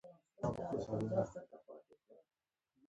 د خیبر پښتونخوا وزیر اعلی سهیل اپريدي هم پرې اعتراف وکړ